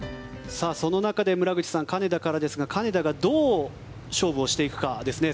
その中で村口さん金田からですが、金田がどう勝負をしていくかですね